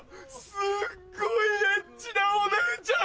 すっごいエッチなお姉ちゃん！